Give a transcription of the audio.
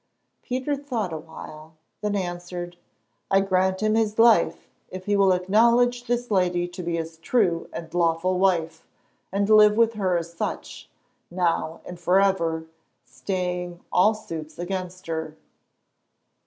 Peter thought a while, then answered: "I grant him his life if he will acknowledge this lady to be his true and lawful wife, and live with her as such, now and for ever, staying all suits against her."